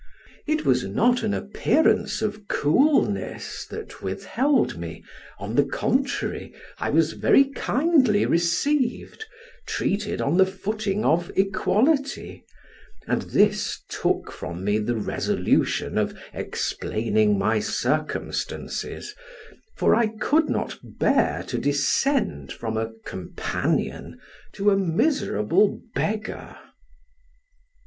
It was not an appearance of coolness that withheld me, on the contrary, I was very kindly received, treated on the footing of equality, and this took from me the resolution of explaining my circumstances, for I could not bear to descend from a companion to a miserable beggar.